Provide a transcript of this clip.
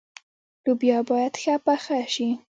لوبیا باید ښه پخه شي.